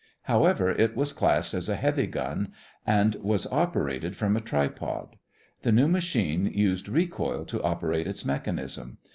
However, it was classed as a heavy gun and was operated from a tripod. The new machine used recoil to operate its mechanism.